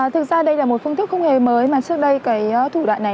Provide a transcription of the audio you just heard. thực ra đây là một phương thức công nghệ mới mà trước đây cái thủ đoạn này